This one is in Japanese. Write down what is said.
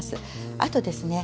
あとですね